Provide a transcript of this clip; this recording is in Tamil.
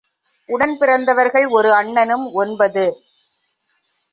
உடன் பிறந்தவர்கள் ஒரு அண்ணனும் ஒன்பது.